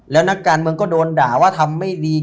แล้วนักการเมืองก็โดนด่าว่าทำไม่ดี